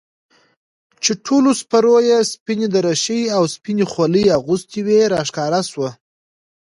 چې ټولو سپرو يې سپينې دريشۍ او سپينې خولۍ اغوستې وې راښکاره سوه.